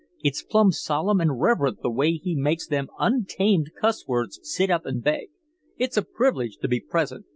It's plumb solemn an' reverent the way he makes them untamed cuss words sit up an' beg. It's a privilege to be present.